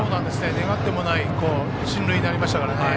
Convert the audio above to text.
願ってもない進塁になりましたからね。